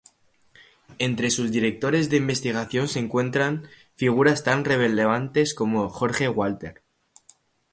Entre sus directores de investigación se encuentran figuras tan relevantes como Jorge Walter.